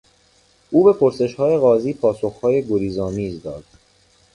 او به پرسشهای قاضی پاسخهای گریزآمیز داد.